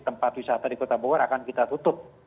tempat wisata di kota bogor akan kita tutup